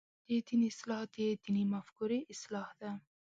د دین اصلاح د دیني مفکورې اصلاح ده.